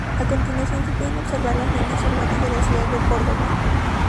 A continuación se pueden observar las líneas urbanas de la ciudad de Córdoba.